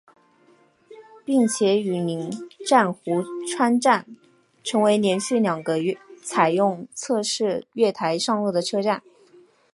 并且与邻站壶川站成为连续两个采用侧式月台上落的车站。